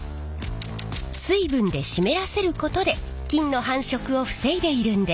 水分で湿らせることで菌の繁殖を防いでいるんです。